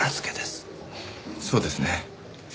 そうですね。